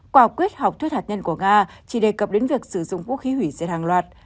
quả quyết học thuyết hạt nhân của nga chỉ đề cập đến việc sử dụng vũ khí hủy diệt hàng loạt